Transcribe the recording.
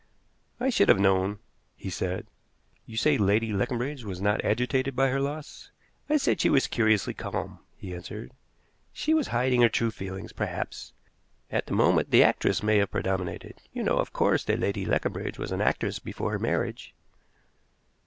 "I should have known," he said. "You say Lady Leconbridge was not agitated by her loss?" "I said she was curiously calm," he answered. "She was hiding her true feelings, perhaps. At the moment the actress may have predominated. You know, of course, that Lady Leconbridge was an actress before her marriage?"